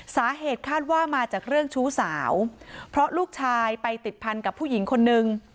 สาเหตุคาดว่ามาจากเรื่องชู้สาวเพราะลูกชายไปติดพันกับผู้หญิงคนนึง